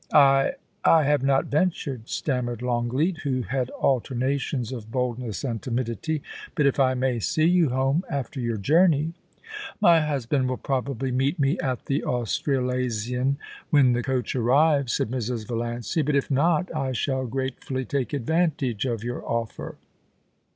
* I — I have not ventured,' stammered Longleat, who had alternations of boldness and timidity ;* but if I may see you home after your journey '* My husband will probably meet me at the Australasian when the coach arrives,' said Mrs. Valiancy, * but if not, I shall gratefully take advantage of your offer.